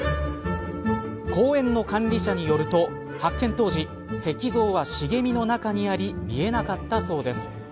公園の管理者によると発見当時石像は茂みの中にあり見えなかったそうです。